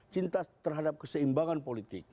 cinta terhadap keseimbangan politik